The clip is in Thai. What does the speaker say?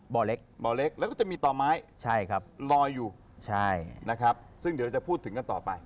บ่อเล็กแล้วก็จะมีต่อไม้ลอยอยู่นะครับซึ่งเดี๋ยวเราจะพูดถึงกันต่อไป